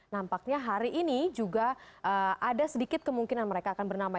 nampaknya hari ini juga ada sedikit kemungkinan mereka akan bernama